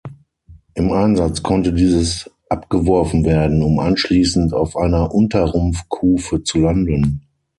Im Einsatz konnte dieses abgeworfen werden, um anschließend auf einer Unterrumpf-Kufe zu landen.